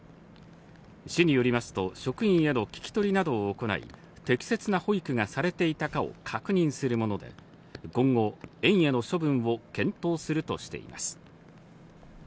市によりますと、職員への聞き取りなどを行い、適切な保育がされていたかを確認するもので、今後、園への処分を検討するとしています。